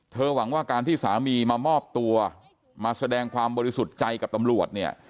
หวังว่าการที่สามีมามอบตัวมาแสดงความบริสุทธิ์ใจกับตำรวจเนี่ย